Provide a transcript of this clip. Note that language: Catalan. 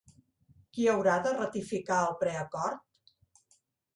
Qui haurà de ratificar el preacord?